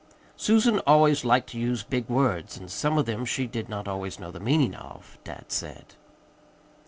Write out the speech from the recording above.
Susan always liked to use big words, and some of them she did not always know the meaning of, dad said.